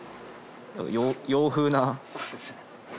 洋風な。